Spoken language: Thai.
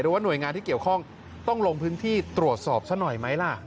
ว่าหน่วยงานที่เกี่ยวข้องต้องลงพื้นที่ตรวจสอบซะหน่อยไหมล่ะ